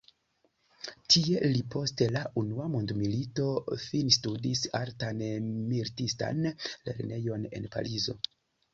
Tie li post la unua mondmilito finstudis Altan militistan lernejon en Parizo.